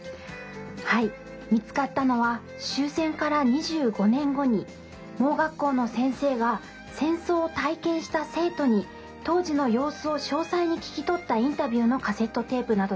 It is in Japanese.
はい見つかったのは終戦から２５年後に盲学校の先生が戦争を体験した生徒に当時の様子を詳細に聞き取ったインタビューのカセットテープなどです。